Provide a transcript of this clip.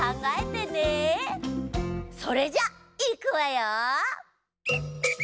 それじゃいくわよ。